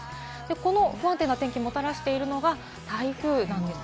この不安定な天気をもたらしているのが台風です。